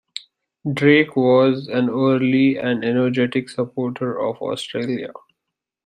Drake was an early and energetic supporter of Australia.